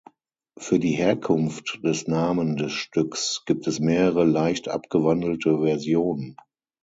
Für die Herkunft des Namen des Stücks gibt es mehrere leicht abgewandelte Versionen.